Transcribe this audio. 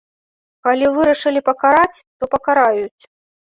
Калі вырашылі пакараць, то пакараюць.